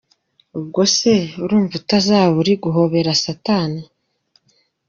Ubwose urumva utazaba uri guhobera satani?”.